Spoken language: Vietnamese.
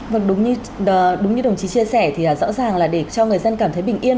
vâng đúng như đồng chí chia sẻ thì rõ ràng là để cho người dân cảm thấy bình yên